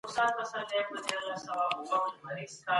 نړيوالي مرستي د بیارغونې لپاره اړینې دي.